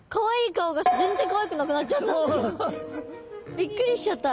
びっくりしちゃった。